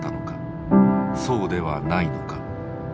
そうではないのか。